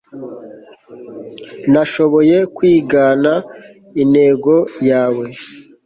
Nashoboye kwigana intego yawe